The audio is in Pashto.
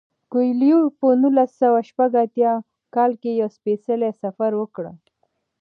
کویلیو په نولس سوه شپږ اتیا کال کې یو سپیڅلی سفر وکړ.